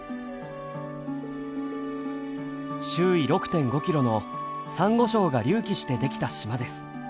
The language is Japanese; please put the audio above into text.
周囲６．５キロのさんご礁が隆起してできた島です。